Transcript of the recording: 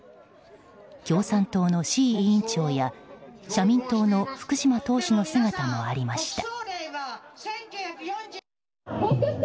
共産党の志位委員長や社民党の福島党首の姿もありました。